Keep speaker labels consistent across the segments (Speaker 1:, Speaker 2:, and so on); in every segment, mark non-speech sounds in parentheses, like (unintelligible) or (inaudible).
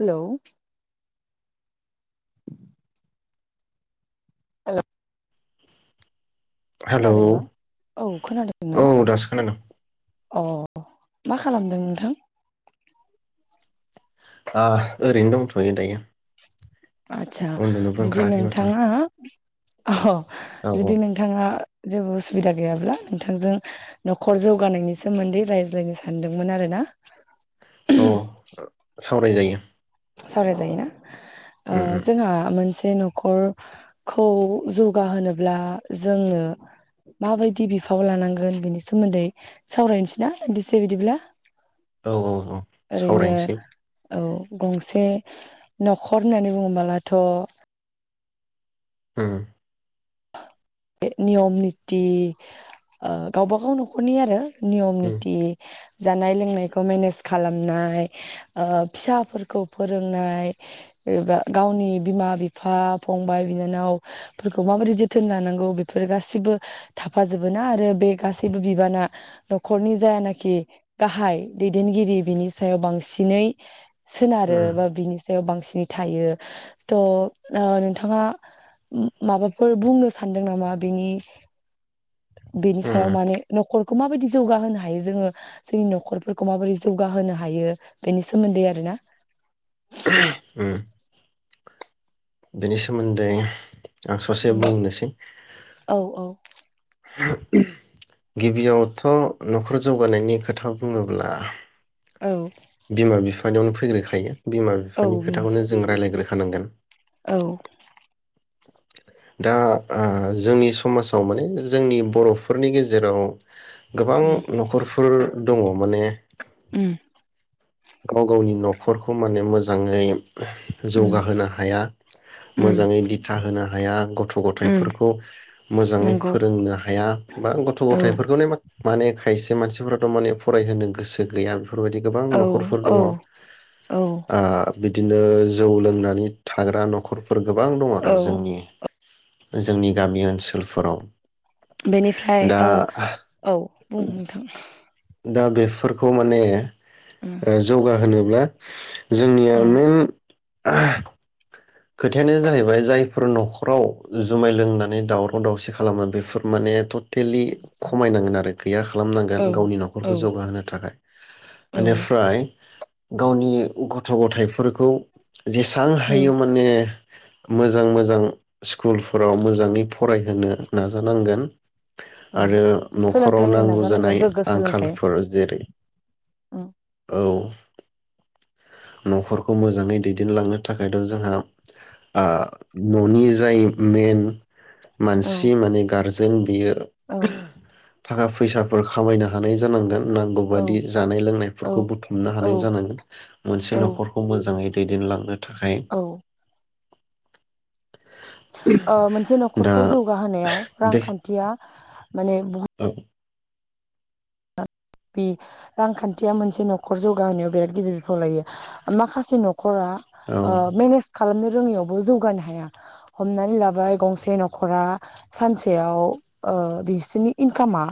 Speaker 1: Hello. औ
Speaker 2: hello
Speaker 1: खोनादोंना औ खोनादोंना?
Speaker 2: औ दासो खोनादों
Speaker 1: अ मा खालामदों नोंथां?
Speaker 2: ओ ओरैनो दंथ'यो दायो।
Speaker 1: आतसा
Speaker 2: उन्दुनोबो
Speaker 1: जुदि
Speaker 2: ओंखाराखै माथो
Speaker 1: नोंथाङा अ
Speaker 2: औ
Speaker 1: जुदि नोंथाङा जेबो उसुबिदा गैयाब्ला नोंथांजों न'खर जौगानायनि सोमोन्दै रायज्लायनो सानदोंमोन आरोना।
Speaker 2: औ सावराय जायो।
Speaker 1: सावराय जायो ना? ओ
Speaker 2: उम
Speaker 1: जोंहा मोन न'खरखौ जौगाहोब्ला जोंनो माबायदि बिफाव लानांगोन बेनि सोमोन्दै सावरायनोसैना दान्दिसे बिदिब्ला।
Speaker 2: औ औ। औ
Speaker 1: ओरैनो
Speaker 2: सावरायनोसै
Speaker 1: औ गंसे न'खर होननानै बुङबोलाथ'
Speaker 2: उम्म
Speaker 1: नियम निति ओ गावबागाव न'खरनि आरो नियम
Speaker 2: उम
Speaker 1: निति जानाय लोंनायखौ मेनेज खालामनाय ओ फिसाफोरखौ फोरोंनाय एबा गावनि बिमा बिफा फंबाय बिनानावफोरखौ माबो जोथोन लानांगौ बेफोर गासैबो थाफाजोबो ना आरो बे गासैबो बिबाना न'खरनि जायानोखि गाहाय दैदेनगिरि बिनि सायाव बांसिनै
Speaker 2: उम
Speaker 1: सोनारोबा बिनि सायाव बांसिन थायो थ नोंथाङा फोर बुंनो सानदों नामा बिनि बेनि
Speaker 2: उम
Speaker 1: सायाव माने न'खरखौ माबायदि जौगाहोनो हायो जोङो जोंनि न'खरफोरखौ माबायदि जौगाहोनो हायो बेनि सोमोन्दै आरो ना।
Speaker 2: उम्म बेनि सोमोन्दै आं ससे
Speaker 1: उम
Speaker 2: बुंनोसै।
Speaker 1: औ औ
Speaker 2: गिबियावथ' न'खर जौगानायनि खोथा बुङोब्ला
Speaker 1: औ।
Speaker 2: बिमा बिफानियावनो फैग्रोखायो। बिमा
Speaker 1: औ
Speaker 2: बिफानि खोथाखौनो जों राय्लायग्रो खानांगोन
Speaker 1: औ।
Speaker 2: दा ओ जोंनि समाजाव माने जोंनि बर'फोरनि गेजेराव गोबां
Speaker 1: उम
Speaker 2: न'खर फोर दङ माने
Speaker 1: उम।
Speaker 2: गाव गावनि न'खरखौ माने मोजाङै
Speaker 1: उम
Speaker 2: जौगाहोनो हाया मोजाङै दिथा होनो हाया गथ'
Speaker 1: उम
Speaker 2: गथाइफोरखौ मोजाङै
Speaker 1: नंगौ
Speaker 2: फोरोंनो हाया। बा गथ'
Speaker 1: औ
Speaker 2: गथाय फोरखौनो माने खायसे मानसि फोराथ' माने फरायहोनो गोसो गैया। बेफोरबादि गोबां
Speaker 1: औ
Speaker 2: नखर फोर
Speaker 1: औ
Speaker 2: दङ
Speaker 1: औ
Speaker 2: आ बिदि नो जौ लोंनानै थाग्रा नखरफोर गोबां दं
Speaker 1: औ
Speaker 2: आरो जोंनि जोंनि गामि ओनसोल फोराव
Speaker 1: बेनिफ्राय आ औ बुं नोंथां।
Speaker 2: दा बेफोरखौ माने
Speaker 1: उम
Speaker 2: ओ जौगाहोनो ब्ला जोंनिया
Speaker 1: औ
Speaker 2: मेइन आ खोथायानो जाहैबाय जायफोर नखराव जुमाय लोंनानै दावराव दावसि खालामो बेफोर माने थ टेलि खमायनांगोन आरो गैया
Speaker 1: औ
Speaker 2: खालामनांगोन गावनि
Speaker 1: औ
Speaker 2: नखरखौ जौगाहोनो थाखाय
Speaker 1: औ
Speaker 2: एनिफ्राय गावनि गथ गथायाइ फोरखौ जेसां हायो यो मोजां मोजां स्कुल फोराव मोजाङै फरायहोनो नाजानांगोन।
Speaker 1: औ
Speaker 2: आरो नखराव
Speaker 1: सोलोंथाइ होनो
Speaker 2: नांगौ
Speaker 1: नाजानांगोन
Speaker 2: जानाय
Speaker 1: गोग्गो सोलोंथाइ
Speaker 2: आंखालफोर जेरै
Speaker 1: उम
Speaker 2: औ। नखरखौ मोजाङै दैदेनलांनो थाखाय नो जोंहा ओ ननि जाय मेन
Speaker 1: औ
Speaker 2: मानसि माने गारजेन जों बियो
Speaker 1: औ
Speaker 2: थाखा फैसा फोर खामायनो हानाय जानांगोन। नांगौ
Speaker 1: औ
Speaker 2: बादि जानाय लोंनाय फोरखौ बुथुमनो
Speaker 1: औ
Speaker 2: हानाय जानांगोन मोनसे नखरखौ मोजाङै दैदेनलांनो थाखाय।
Speaker 1: औ औ मोनसे
Speaker 2: दा
Speaker 1: नख'रखौ जौगाहोनायाव
Speaker 2: बे
Speaker 1: रांखान्थिया माने बहुत
Speaker 2: औ
Speaker 1: बि रांखान्थिया मोनसे नखर जौगाहोनायाव बिराद गिदिर बिफाव लायो माखासे नख रआ
Speaker 2: औ
Speaker 1: मेनेज खालामनो रोङियावबो जौगानो हाया हमनानै लाबाय गंसे नखरा सानसेयाव ओ बिसोरनि इनकामा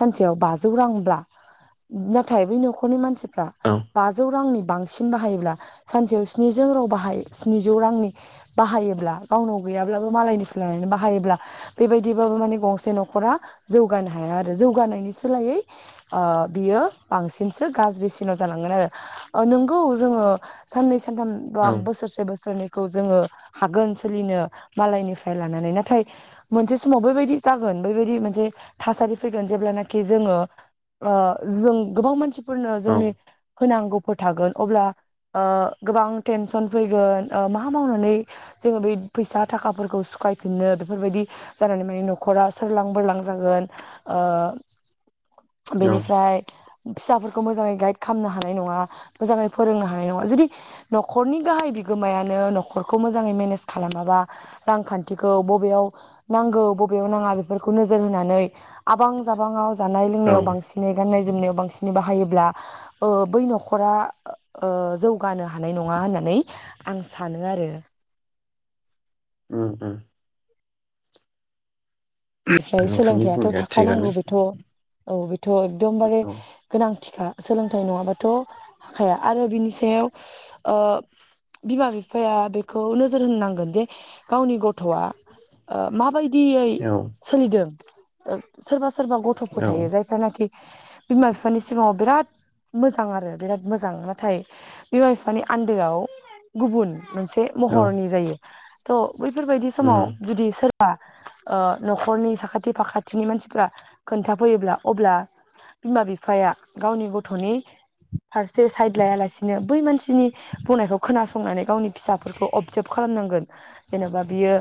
Speaker 1: सानसेयाव बाजौ रांब्ला नाथाय बै नखरनि मानसि
Speaker 2: औ
Speaker 1: बाजौ रांनि बांसिन बाहायोब्ला सानसेयाव स्निजौ राव बाहाय स्निजौ रांनि बाहायोब्ला गावनाव गैयाब्लाबो मालायनिफ्राय लानानै बाहायोब्ला बेबायदिबाबो माने गंसे न'खरा जौगानो हाया आरो जौगानायनि सोलायै ओ बियो बांसिनसो गाज्रिसिनाव जालांगोन आरो नोंगौ जोङो साननै
Speaker 2: औ
Speaker 1: सानथाम बोसोरसे बोसोरनै खौ जोङो हागोन सोलिनो मालायनिफ्राय लानानै नाथाय मोनसे समाव बेबायदि जागोन बेबायदि मोनसे थासारि फैगोन जेब्लानाखि जोङो ओ जों गोबां मानसि फोरनो जोंनि
Speaker 2: औ
Speaker 1: होनांगौ थागोन अब्ला गोबां ओ टेनसन फैगोन मा मावनानै जोङो बै फैसा थाखाफोरखौ सुख'फिननो बेफोरबायदि जानानै माने न'खरा सोरलां बोरलां जागोन। ओ
Speaker 2: औ
Speaker 1: बेनिफ्राय फिसाफोरखौ मोजाङै गाइद खालामनो हानाय नङा मोजाङै फोरोंनो हानाय नङा जुदि न'खरनि गाहाय बिगोमायानो न'खरखौ मोजाङै मेनेज खालामाबा रांखान्थिखौ बबेयाव नांगौ बबेयाव नाङा बेफोरखौ नोजोर होनानै आबां जाबाङाव
Speaker 2: औ
Speaker 1: जानाय-लोंनायाव बांसिनै गाननाय जोमनायाव बांसिनै बायोब्ला ओ बै न'खरा ओ जौगानो हानाय नङा होननानै आं सानो आरो।
Speaker 2: उम उम।
Speaker 1: ओमफ्राय
Speaker 2: नोंथांनि
Speaker 1: सोलोंथाइयाथ'
Speaker 2: बुंनाया थिगानो
Speaker 1: थाखानांगौ बेथ' औ एकदमबारे
Speaker 2: औ
Speaker 1: गोनां सोलोंथाइ नङाबाथ' हाखाया आरो बिनि सायाव ओ बिमा-बिफाया बेखौ नोजोर होनांगोनदि गावनि गथ'आ माबायदि
Speaker 2: औ
Speaker 1: (unintelligible) सोरबा सोरबा गथ'फोर
Speaker 2: औ
Speaker 1: थायो जायफ्रानाखि बिमा-बिफानि सिगाङाव बिराद मोजां आरो बिराद मोजां नाथाय बिमा-बिफानि आन्दोआव गुबुन। मोनसे
Speaker 2: औ
Speaker 1: महरनि जायो। थ' बैफोरबायदि समाव
Speaker 2: उम
Speaker 1: जुदि सोर बा ओ न'खरनि साखाथि फाखाथिनि मानसिफ्रा खोन्थाफैयोब्ला अब्ला बिमा बिफाया गावनि गथ'नि फारसे साइड लायालासिनो बै मानसिनि बुंनायखौ खोनासंनानै गावनि फिसाफोरखौ अबजार्भ खालामनांगोन। जेन'बा बियो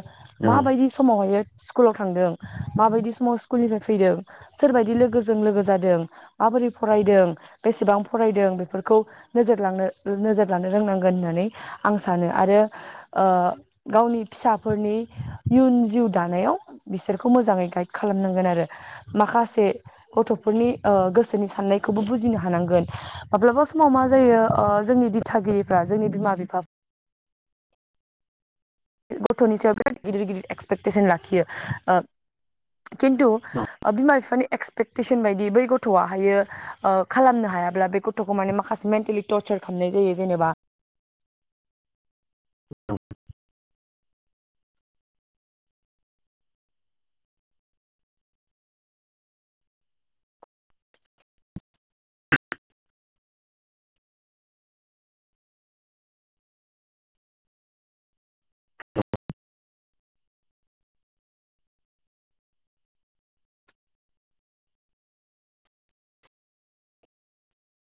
Speaker 2: औ
Speaker 1: माबायदि समावहायो स्कुलाव थांदों, माबायदि समाव स्कुलनिफ्राय फैदों, सोरबायदि लोगोजों लोगो जादों, माबोरै फरायदों बेसेबां फरायदों, बेफोरखौ नोजोर लांनो नोजोर लानो रोंनांगोन होननानै आं सानो आरो गावनि फिसाफोरनि इयुन जिउ दानायाव। बिसोरखौ मोजाङै गाइड खालामनांगोन आरो माखासे गथ'फोरनि गोसोनि साननायखौबो बुजिनो हानांगोन। माब्लाबा समाव मा जायो जोंनि दिथागिरिफ्रा जोंनि बिमा-बिफा गथ'नि सायाव बिराद गिदिर गिदिर एक्सपेक्टेसन लाखियो ओ खिन्थु बिमा बिफानि एक्सपेक्टेसन बायदि बै गथ'आ हायो ओ खालामनो हायाब्ला बे गथ'खौ माने माखासे मेन्टेलि टरसार खालामनाय जायो जेनेबा